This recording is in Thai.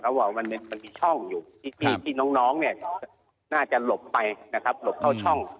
ว่ามันมีช่องอยู่ที่น้องเนี่ยน่าจะหลบไปนะครับหลบเข้าช่อง